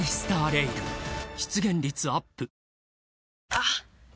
あっ！